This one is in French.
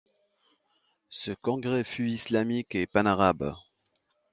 Ce congrès fut islamique et panarabe.